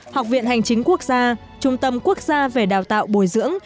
học viện hành chính quốc gia trung tâm quốc gia về đào tạo bồi dưỡng